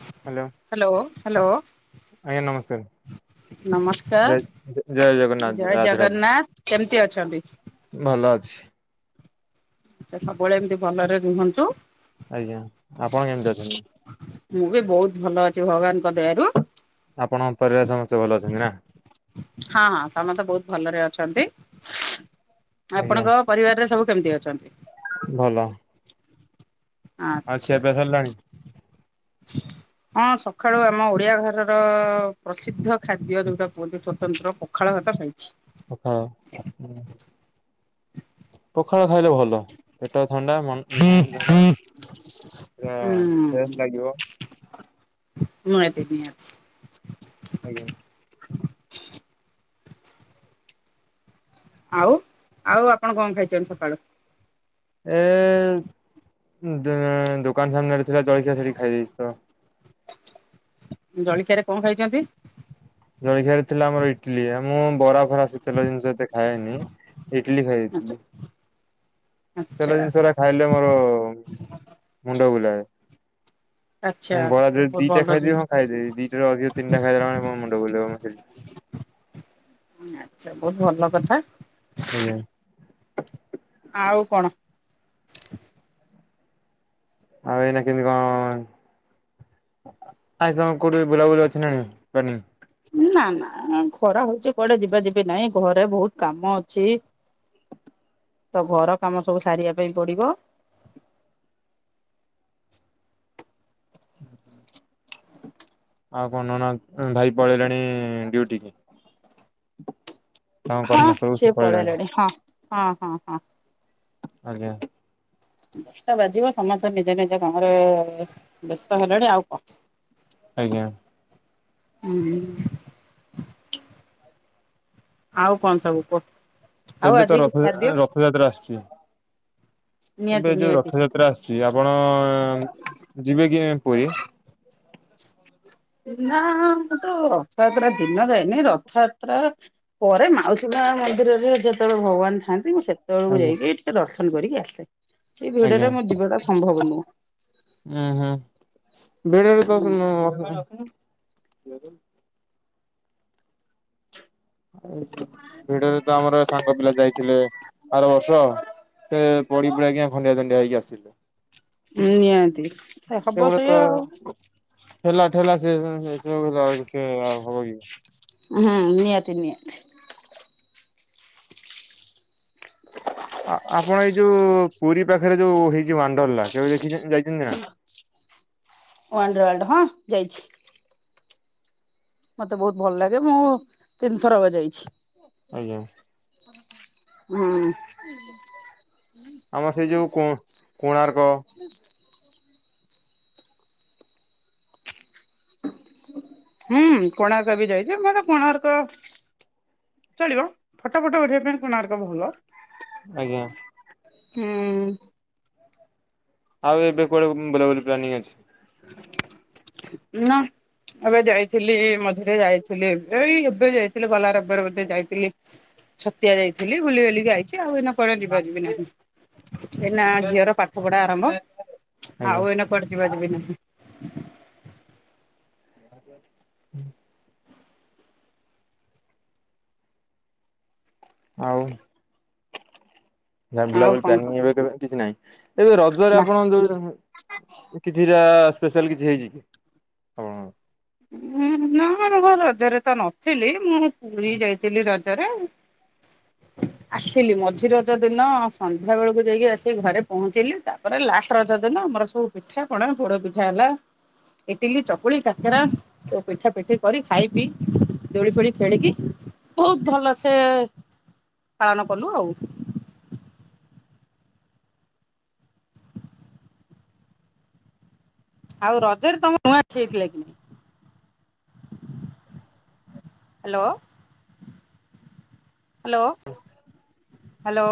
Hello hello hello ଆଜ୍ଞା ନମସ୍କାର। ନମସ୍କାର ଜ ଜୟ ଜୟ ଜଗନ୍ନାଥ ରାଧେ-ରାଧେ। ଜଗନ୍ନାଥ କେମିତି ଅଛନ୍ତି? ଭଲ ଅଛି। ସବୁବେଳେ ଏମିତି ଭଲରେ ରୁହନ୍ତୁ ଆଜ୍ଞା ଆପଣ କେମତି ଅଛନ୍ତି? ମୁଁ ବି ବହୁତ ଭଲ ଅଛି ଭଗବାନଙ୍କ ଦୟାରୁ। ଆପଣଙ୍କ ପରିବାର ସମସ୍ତେ ଭଲ ଅଛନ୍ତି ନା? ହଁ-ହଁ ସମସ୍ତେ ବହୁତ ଭଲରେ ଅଛନ୍ତି ଆଜ୍ଞା ଆପଣଙ୍କ ପରିବାରରେ ସବୁ ସବୁ କେମିତି ଅଛନ୍ତି? ଭଲ। ଆଉ ଖିଆ ଆଚ୍ଛା। ପିଆ ସାରିଲାଣି? ହଁ ସକାଳୁ ଆମ ଓଡ଼ିଆ ଘରର ପ୍ରସିଦ୍ଧ ଖାଦ୍ୟ ଯୋଉଟା କୁହନ୍ତି ସ୍ୱତନ୍ତ୍ର ପଖାଳ ଭାତ ପଖାଳ ପଖାଳ ଖାଇଲେ ଭଲ ପେଟ ଥଣ୍ଡା ମନ ଫ୍ରେସ୍ ଲାଗିବ। ମୁଁ ଏତିନି ଅଛି। ଆଜ୍ଞା। ଆଉ-ଆଉ ଆପଣ କଣ ଖାଇଛନ୍ତି ସକାଳୁ? ଏ ଦୋକାନ ସାମ୍ନାରେ ଥିଲା ଜଳିଖିଆ ସେଠି ଖାଇଦେଇଛି ତ। ଜଳଖିଆରେ କଣ ଖାଇଛନ୍ତି? ଜଳଖିଆ ରେ ଥିଲା ଆମର ଇଟିଲି ମୁଁ ବରା ଫରା ସେ ତେଲ ଜିନିଷ ଏତେ ଖାଏନି। ଇଟଲି ଖାଇ ଆଚ୍ଛା ଦେଇଥିଲି। ଆଚ୍ଛା ତେଲ ଜିନିଷଟା ଖାଇଲେ ମୋର ମୁଣ୍ଡ ବୁଲାଏ। ଆଚ୍ଛା। ମୁଁ ବରା ଯଦି ବହୁତ ଦିଟା ଭଲ ଖାଇଦେବି ଜିନିଷ ହଁ ଖାଇଦେବି ଦିଟାରୁ ଅଧିକ ତିନଟା ଖାଇଦେଲା ମାନେ ମୁଣ୍ଡ ବୁଲେଇବ [inaudible] ଆଚ୍ଛା ବହୁତ ଭଲ କଥା। ଆଜ୍ଞା। ଆଉ କଣ? ଆଉ ଏଇନା କେମିତି କଣ ଆ ତମର କୋଉଠି ବୁଲାବୁଲି ଅଛି ନା ନାଇଁ? ନା ନା ଖରା ହଉଛି କୁଆଡେ ଯିବା ଯିବି ନାଇଁ ଘରେ ବହୁତ କାମ ଅଛି। ତ ଘର କାମ ସବୁ ସାରିବା ପାଇଁ ପଡିବ। ଆଉ କଣ ନାନା ଭାଇ ପଳେଇଲାଣି ଡିଉଟି କି? ତାଙ୍କ ହଁ କର୍ମସ୍ଥଳକୁ ସେ ସିଏ ପଳେଇଲାଣି। ପଳେଇଲେଣି ହଁ-ହଁ-ହଁ-ହଁ। ଆଜ୍ଞା। ଦଶଟା ବାଜିବ ସମସ୍ତେ ନିଜ ନିଜ କାମରେ ବ୍ୟସ୍ତ ହେଲଣି ଆଉ କଣ ଆଜ୍ଞା ହୁଁ। ଆଉ କଣ ସବୁ କୁହ ଆଉ ଏବେ ତ ଆଜି ରଥ କି ଖାଦ୍ୟ ରଥଯାତ୍ରା ଆସୁଛି। ନିହାତି ଏବେ ଯୋଉ ନିହାତି ରଥଯାତ୍ରା ଆସୁଛି, ଆପଣ ଯିବେ କି ପୁରୀ? ନା, ମୁଁ ତ ରଥଯାତ୍ରା ଦିନ ଯାଏନି। ରଥଯାତ୍ରା ପରେ ମାଉସୀ ହଁ, ମନ୍ଦିରରେ ଯେତେବେଳେ ଭଗବାନ ଥାଆନ୍ତି, ମୁଁ ସେତେବେଳକୁ ଆଜ୍ଞା ଯାଇକି ଟିକେ ଦର୍ଶନ କରିକି ଆସେ। ସେ ଭିଡ଼ରେ ମୋ ଯିବାଟା ସମ୍ଭବ ନୁହେଁ। ହୁଁ, ହୁଁ। [unintelligible] [unintelligible] ଭିଡରେ ତ ଆମର ତ ସାଙ୍ଗ ପିଲା ଯାଇଥିଲେ ଆର ବର୍ଷ। ସେ ପଡିି ପୁଡାକି ଖଣ୍ଡିଆ ଖାଣ୍ଡିଆ ହେଇକି ଆସିଲେ। ନିହାତି ହବ ସେଇଆ ଆଉ। [unintelligible] ପେଲା ଠେଲା ସେ [unintelligible] ହବ କି? ହୁଁ। ନିହାତି ନିହାତି। ଆ- ଆପଣ ଏଇ ଯୋଉ ପୁରୀ ପାଖରେ ଯୋଉ ହେଇଛି ୱାଣ୍ଡର୍ଲା କେବେ ଦେଖିଛନ୍ତି ଯାଇଛନ୍ତି ନା? ୱାଣ୍ଡର୍ ୱାର୍ଲଡ୍ ହଁ ଯାଇଛି। ମତେ ବହୁତ ଭଲ ଲାଗେ। ମୁଁ ତିନିଥର ବା ଯାଇଛି। ଆଜ୍ଞା। ହୁଁ। ଆମର ସେଇ ଯୋଉ କୋ-କୋଣାର୍କ ହୁଁ। କୋଣାର୍କ ବି ଯାଇଛି। ମତେ କୋଣାର୍କ ଚଳିବ ଫଟୋ ଫଟୋ ଉଠେଇିବା ପାଇଁ କୋଣାର୍କ ଭଲ। ଆଜ୍ଞା। ହୁଁ। ଆଉ ଏବେ କୁଆଡେ ବୁଲାବୁଲି ପ୍ଲାାନିଂ ଅଛି ନା ଏବେ ଯାଇଥିଲି, ମଝିରେ ଯାଇଥିଲି। ଏଇ ଏବେ ଯାଇଥିଲି, ଗଲା ରବିବାରରେ ବୋଧେ ଯାଇଥିଲି। ଛତିଆ ଯାଇଥିଲି ବୁଲି ବାଲିକି ଆଇଥିଲି। ଆଉ ଏଇନା ପରେ ଯିବା ଯିବି ନାହିଁ। ଏଇନା ଝିଅର ପାଠ ପଢା ଆରମ୍ଭ ଆଜ୍ଞା ଆଉ ଏଇନା କୁଆଡେ ଯିବା ଯିବି ନାହିଁ। [unintelligible] ଆଉ ନା ଆଉ ବୁଲାବୁଲି କଣ ପ୍ଲାନିଂ ସବୁ ଏବେ କିଛି ନାହିଁ। ଏଇ ରଜରେ ନା। ଆପଣ ଯୋଉ କିଛିଟା ସ୍ପେଶାଲ କିଛି ହେଇଛି। ଆପଣଙ୍କର? ଉଁ-ନା ରଜରେ ତ ନଥିଲି। ମୁଁ ପୁରୀ ଯାଇଥିଲି ରଜ ରେ ଆସିଲି। ମଝିର ରଜ ଦିନ ଆ ସନ୍ଧ୍ୟା ବେଳକୁ ଯାଇକି ଆସିକି ଘରେ ପହଞ୍ଚିଲି। ତାପରେ ଲାଷ୍ଟ ରଜ ଦିନ ଆମର ସବୁ ପିଠା ପଣା ପୋଡ ପିଠା ହେଲା। ଇ ଇଟିଲିି, ଚକୁଳି, କାକେରା ସବୁ ପିଠା ପିଠି କରି ଖାଇ ପିଇ ଦୋଳି ଫୋଳି ଖେଳିକି ବହୁତ ଭଲସେ ପାଳନ କଲୁ ଆଉ ଆଉ ରଜରେ ତମ [unintelligible] hello. Hello, hello.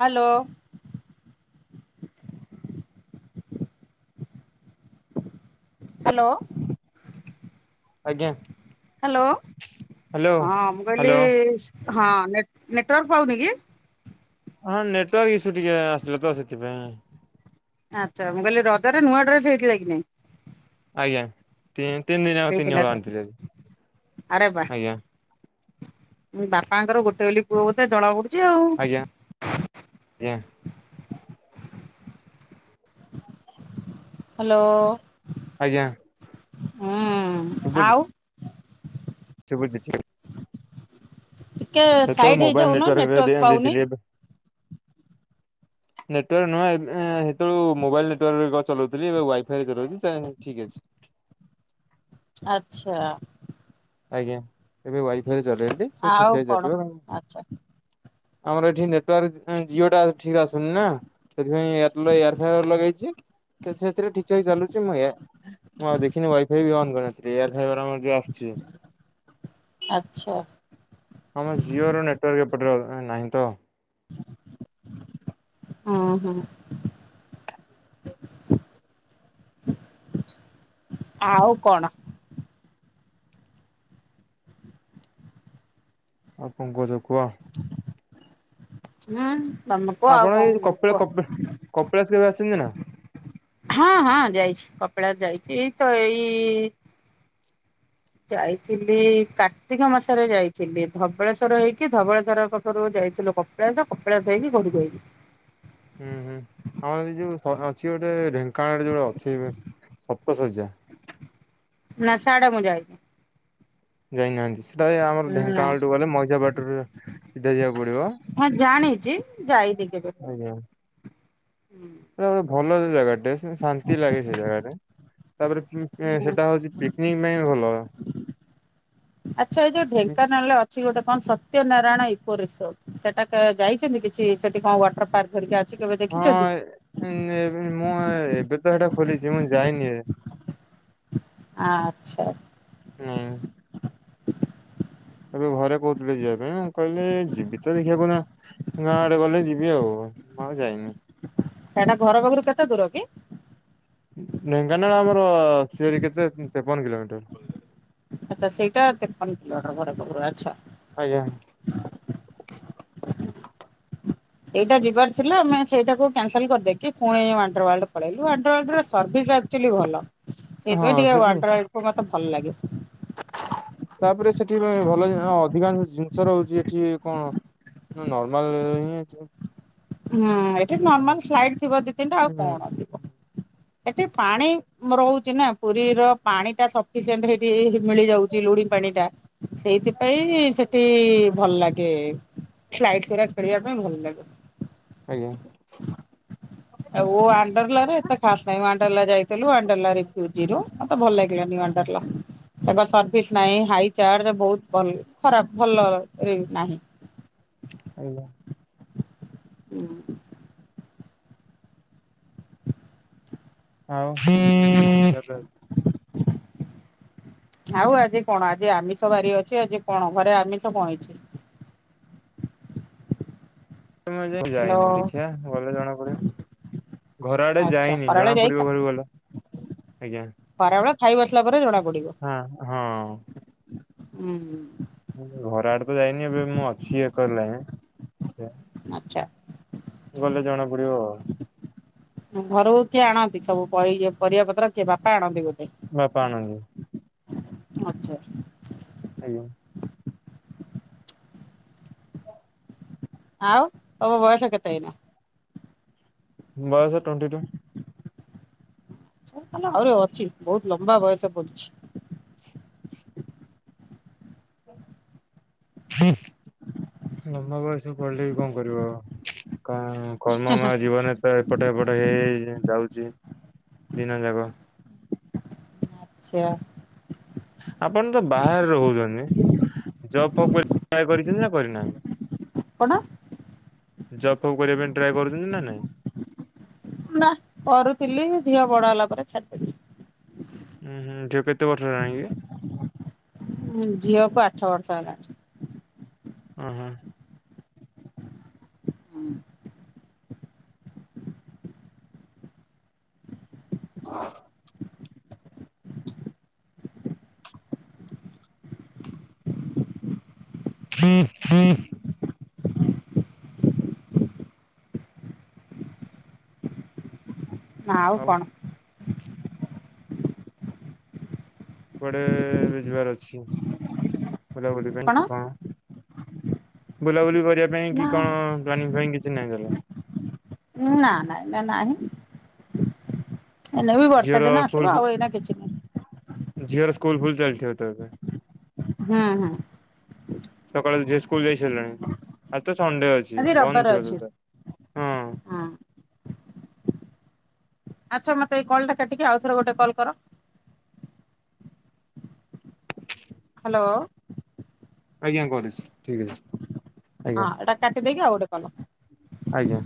Hello. Hello. ଆଜ୍ଞା। ହ୍ୟାଲୋ ହ୍ୟାଲୋ ହଁ ମୁଁ କହିଲି ହ୍ୟାଲୋ ହଁ ନେଟୱାର୍କ ପାଉନି କି? ହଁ ନେଟୱାର୍କ ଇସୁ ଟିକେ ଆସିଲା ତ ସେଥିପାଇଁ। ଆଚ୍ଛା ମୁଁ କହିଲି ରଜରେ ନୂଆ ଡ୍ରେସ ହେଇଥିଲା କି ନାଇଁ? ଆଜ୍ଞା ତିନି ଦିନ ତିନି ହେଇଥିଲା ହଳ ତ ଆଣିଥିଲି ଆରେ ବା ଆଜ୍ଞା। ବାପାଙ୍କର ଗୋଟେ ବୋଲି ପୁଅ ବୋଧେ ଜଣା ପଡୁଛି। ଆଉ। ଆଜ୍ଞା ଆଜ୍ଞା। ହ୍ୟାଲୋ। ଆଜ୍ଞା। ହୁଁ ଶୁଭୁଛି। ଆଉ। [unintelligible] ଟିକେ ସେ ତ ସାଇଡ ମୋବାଇଲ ହେଇଯାଉନ ନେଟୱାର୍କରେ ନେଟୱାର୍କ ପାଉନି ଦେଇଥିଲି ଏବେ ନେଟାର୍କ ନୂହଁ ସେତେବେଳେ ମୋବାଇଲ ନେଟାର୍କ ଚଲାଉଥିଲି ଏବେ ୱାଇଫାଇରେ ଚଲଉଛି ଠିକ୍ ଅଛି। [inaudible] ଆଚ୍ଛା। ଆଜ୍ଞା ଏବେ ୱାଇଫାଇରେ ଚଲେଇି ସେ ଆଉ ଠିକଠାକ୍ କଣ? ଚାଲିବ। ଆଚ୍ଛା ଆମର ଏଠି ନେଟୱାର୍କ ଜିଓଟା ଠିକ ଆସୁନି ନା। ସେଥିପାଇଁ ଏୟାରଟେଲର ଏୟାରପ୍ୟାର୍ ଲଗେଇଛି। ସେ ସେଥିରେ ଠିକ୍ଠାକ ଚାଲୁଛି ମୁଁ ମୁଁ ଆଉ ଦେଖିନି ୱାଇଫାଇ ବି ଅନ୍ କରିନଥିଲି ଏୟାର ଫାଇବର ଯଉ ଆସୁଛି। ଆଛା। ଆମ ଜିଓର ନେଟୱାର୍କ ଏପଟର ନାହିଁ ତ। ଓ ହୋ। [inaudible] ଆଉ କଣ? ଆଉ କଣ କହୁଚ କୁହ। [unintelligible] ଆଉ ଆପଣ କଣ ଏଇ କପିଳ କୁହ? କପିଳାସ କେବେ ଅଛନ୍ତି ନା। ହଁ ହଁ ଯାଇଛି କପିଳାସ ଯାଇଛି ଏଇ ତ ଏଇ ଯାଇଥିଲି କାର୍ତ୍ତିକ ମାସରେ ଯାଇଥିଲି ଧବଳେଶ୍ଵର ହେଇକି ଧବଳେଶ୍ଵର ପାଖରୁ ଯାଇ ଯାଇଥିଲି କପିଳାସ କପିଳାସ ହେଇକି ଘରୁକୁ ଆଇଲିି। ହୁଁ ହୁଁ ଆମର ଏ ଯୋଉ ଅଛି ଗୋଟେ ଢେଙ୍କାନାଳରେ ଯୋଉଟ ଅଛି ଶପ୍ତଶଯ୍ୟା। ନା ସାଡେ ମୁ ଯାାଇନି। ଯାଇନାହାନ୍ତି। ସେଟା ଆମର ନା ଢେଙ୍କାନାଳୁଠୁଁ ଗଲେ ମଇଷା ବାଟରୁ ସିଧା ଯିବାକୁ ପଡିବ। ହଁ ଜାଣିଛି ଯାଇନି କେବେ। ଆଜ୍ଞା ଗୋଟେ ଭଲ ଜାଗାଟେ। ଶାନ୍ତି ଲାଗେ ସେ ଜାଗାଟା ତାପରେ ସେଟା ହଉଛି ପିକନିକ ପାଇଁ ଭଲ। ଆଚ୍ଛା ଏ ଯୋଉ ଢେଙ୍କାନାଳରେ ଅଛି ଗୋଟେ କଣ ସତ୍ୟନାରାୟଣ ଇକୋ ରିସୋର୍ଟ ସେଟା ଯାଇଛନ୍ତି କିଛି ସେଠି କଣ ୱାଟର ପାର୍କ ଘରିକା ହଁ ମୁଁ ଏବେ ତ ସେଟା ଖୋଲିଛି ମୁଁ ଯାଇନି। ଆଚ୍ଛା। ହୁଁ। ଏବେ ଘରେ କହୁଥିଲେ ଯିବା ପାଇଁ ମୁଁ କହିଲେ ଯିବି ତ ଦେଖିବାକୁ ଗାଁ ଆଡେ ଗଲେ ଯିବି ଆଉ। ମୁଁ ଆଉ ଯାଇନି। ସେଟା ଘର ପାଖରୁ କେତେ ଦୂର କି? ଢେଙ୍କାନାଳ ଆମର ସିରି କେତେ ତେପନ କିଲୋମିଟର। ଆଚଛା ସେଇଟା ତେପନ କିଲୋମିଟର ଘର ପାଖରୁ ଆଛା। ଆଜ୍ଞା। ଏଇଟା ଯିବାର ଥିଲା ଆମେ ସେଇଟାକୁ କ୍ୟାନସଲ କରିଦେଇକି ପୁଣି ୱାଣ୍ଡରୱାର୍ଲ୍ଡ ପଳେଇଲୁ ୱାଣ୍ଡରୱାଲ୍ଡର ସର୍ଭିସ୍ ସେଟା ଆକଚୁଆଲି ଭଲ ହଁ ସେଥିପାଇଁ ଟିକେ ସେଠୁ ୱାଣ୍ଡରୱାର୍ଲ୍ଡ ମତେ ଭଲ ଲାଗେ। ତାପରେ ସେଠି ଭଲ ଅଧିକାଂଶ ଜିନିଷ ରହୁଛି। ଏଠି କଣ ନର୍ମାଲ ହିଁ। ହୁଁ ଏଠି ନର୍ମାଲ ସ୍ଲାଇଡ୍ ଥିବ ଦି ତିନିଟା ଆଉ କଣ? ଏଠି ପାଣି ରହୁଛି ନା ପୁରୀର ପାଣି ଟା ସଫିସିଏଣ୍ଟ ହେଇଠି ମିଳିଯାଉଛି ଲୁଣି ପାଣି। ପାଣି ଟା ସେଇଥିପାଇଁ ସେଠି ଭଲ ଲାଗେ ସ୍ଲାଇଡ ଗୁଡ଼ାକ ଖେଳିବାକୁ। ବି ଭଲ ଲାଗେ। ଆଜ୍ଞା। ଆଉ ୱାଣ୍ଡଲା ରେ ଏତେ ଖାସ ନାଇଁ ୱାଣ୍ଡଲା ଯାଇ ଥିଲୁ ୱାଣ୍ଡଲା ରେ ଭିଉ ଜିରୋ ଆ ଭଲ ଲାଗିଲା ୱାଣ୍ଡଲା। ତାଙ୍କର ସର୍ଭିସ ନାହିଁ ହାଇ ଚାର୍ଜ ବହୁତ ଭଲ ଖରାପ ଭଲରେ ନାହିଁ। ହାଲୋ। ହୁଁ। ଆଉ ଆଉ ଆଜି କଣ ଆଜି ଆମିଷ ବାରି ଅଛି ଆଜି କଣ ଘରେ ଆମିଷ କଣ ହେଇଛି? ହ୍ୟାଲୋ ଯାଇନି ଦେଖିବା ଗଲେ ଜଣା ପଡିବ। ଘର ଆଡେ ଆଚ୍ଛା ଯାଇନି ଖରାବେଳେ ଜଣା ପଡିବ ଘରକୁ ଗଲେ ଆଜ୍ଞା। ପାରା ଗୁଡ଼ା ଖାଇ ବସିଲା ପରେ ଜଣା ପଡିବ। ହଁ ହଁ। ହୁଁ ହୁଁ। ଘର ଆଡେ ତ ଯାଇନି ଏବେ ମୁଁ ଅଛି ଏକର ଲାଏନ୍ ରେ। ଆଛା। ଗଲେ ଜଣା ପଡିବ ଆଉ। ଘରକୁ କିଏ ଆଣନ୍ତି ସବୁ ଇଏ ପରି ପରିବା ପତ୍ର କିଏ ବାପା ଆଣନ୍ତି ବୋଧେ। ବାପା ଆଣନ୍ତି। ଆଚ୍ଛା ଆଜ୍ଞା। ଆଉ ତମ ବୟସ କେତେ ଏଇନା। ବୟସ ଟୋଣ୍ଟି ଟୁ। ଆଛା ଆହୁରି ଅଛି ବହୁତ ଲମ୍ବା ବୟସ ପଡିଛି। ଲମ୍ୱା ବୟସ ପଳିଲେ ବି କଣ କରିବ ଆଉ। କ କର୍ମ ମୟ ଜୀବନରେ ତ ଏପଟ ହେପଟ ହେଇ ଯାଉଛି। ଦିନ ଯାକ। ଆଚ୍ଛା। ଆପଣ ତ ବାହାରେ ରହୁଛନ୍ତି କରିନା। ଆପଣ ଜବ୍ ଫପ୍ କରିବା ପାଇଁ ଟ୍ରାଏ କରୁଛନ୍ତି ନା ନାଇଁ। ନା କରୁଥିଲି ଝିଅ ବଡ ହେଲା ପରେ ଛାଡିଦେଲି। ହୁଁ ହୁଁ ଝିଅ କୁ କେତେ ବର୍ଷ ହେଲାଣି କି? ଛ ସାଲ ହେଲାଣି। ହ ହ। ହୁଁ। ହଁ ନା ଆଉ କଣ? କୁଆଡେ ବି ଯିବାର ଅଛି ବୁଲାବୁଲି ପାଇଁ କଣ? ବୁଲାବୁଲି କରିବା ପାଇଁ ନା କି କଣ ପ୍ଲାନିଂ ପାଇଁ କିଛି ନାଇଁ ତାହେଲେ? ନା ନା ଏବେ ନାହିଁ। ଏଇନେ ବି ବର୍ଷା ଝିଅର ଦିନ ଆସିବ ଆଉ ଏଇନା କିଛି ନାହିଁ। ଝିଅ ସ୍କୁଲ ଫୁଲ ଚାଲିଥିବ ତାହେଲେ। ହୁଁ ହୁଁ। ସକାଳର ଝିଅ ସ୍କୁଲ ଯାଇ ସାରିଲାଣି ଆଜି ତ ସ୍କୁଲ୍ ସଣ୍ଡେ ଅଛି ଆଜି ବନ୍ଦ ରବିବାର ଅଛି ଥିବ ତ, ହଁ। ଆଚ୍ଛା ମୋତେ ଏଇ କଲ୍ଟା କାଟିକି ଆଉଥରେ ଗୋଟେ କଲ୍ କର। ହ୍ୟାଲୋ। ଆଜ୍ଞା କରୁଚି, ଠିକ ଅଛି। ହଁ ଆଜ୍ଞା ଏଟା କାଟିଦେଇକି ଆଉ ଗୋଟେ କର। ଆଜ୍ଞା।